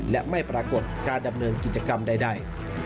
และไม่ปรากฏการดำเนินกิจกรรมใด